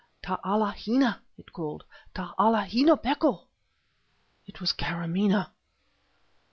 "Ta'ala hina!" it called. "Ta'ala hina, Peko!" It was Karamaneh!